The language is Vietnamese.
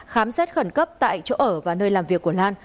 khám xét khẩn cấp tại chỗ ở và nơi làm việc của lan